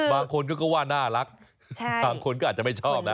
บางคนก็ว่าน่ารักบางคนก็อาจจะไม่ชอบนะ